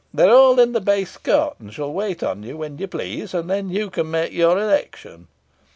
They are all in the base court, and shall wait on you when you please, and then you can make your election."